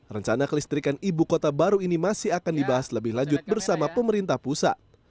rencana kelistrikan ibu kota baru ini masih akan dibahas lebih lanjut bersama pemerintah pusat